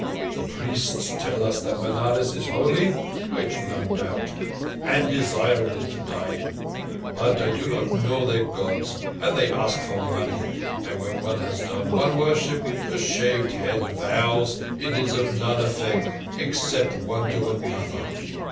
The priests tell us that Benares is holy—which none doubt—and desirable to die in. But I do not know their Gods, and they ask for money; and when one has done one worship a shaved head vows it is of none effect except one do another.